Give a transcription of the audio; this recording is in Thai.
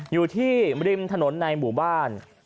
อยู่ที่ริมถนนในหมู่บ้าน